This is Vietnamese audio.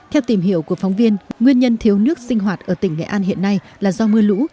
theo tìm hiểu của phóng viên nguyên nhân thiếu nước sinh hoạt ở tỉnh nghệ an hiện nay là do mưa lũ